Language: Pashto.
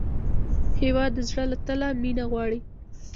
هېواد د زړه له تله مینه غواړي.